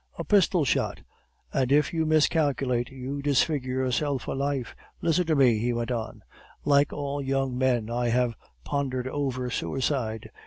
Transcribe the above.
"'A pistol shot?' "'And if you miscalculate, you disfigure yourself for life. Listen to me,' he went on, 'like all young men, I have pondered over suicide.